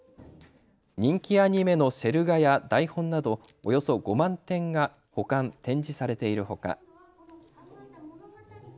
人気アニメのセル画や台本などおよそ５万点が保管・展示されているほか。